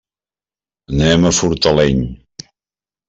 Anem a Fortaleny.